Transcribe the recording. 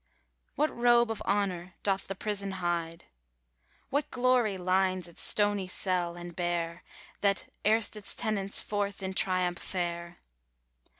WHAT robe of honour doth the prison hide, What glory lines its stony cell and bare, That, erst its tenants, forth in triumph fare?